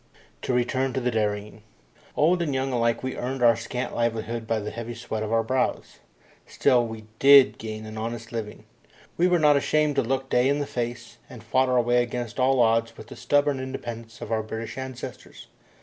To return to the dairying. Old and young alike we earned our scant livelihood by the heavy sweat of our brows. Still, we did gain an honest living. We were not ashamed to look day in the face, and fought our way against all odds with the stubborn independence of our British ancestors.